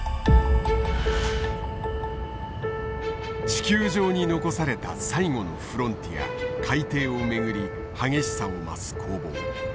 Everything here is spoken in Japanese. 地球上に残された最後のフロンティア海底をめぐり激しさを増す攻防。